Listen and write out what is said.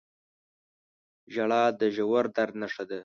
• ژړا د ژور درد نښه ده.